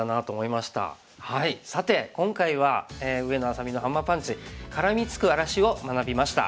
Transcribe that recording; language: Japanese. さて今回は上野愛咲美のハンマーパンチ「からみつく荒らし」を学びました。